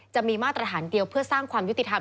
จะมีมาตรฐานเดียวเพื่อสร้างความยุติธรรม